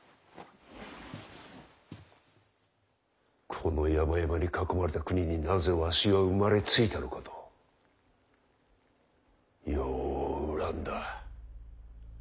この山々に囲まれた国になぜわしは生まれついたのかとよう恨んだ。